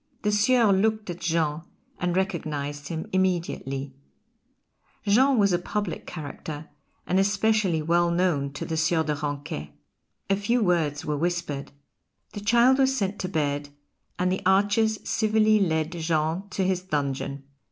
The Sieur looked at Jean and recognised him immediately. Jean was a public character, and especially well known to the Sieur de Ranquet. A few words were whispered. The child was sent to bed, and the archers civilly lead Jean to his dungeon.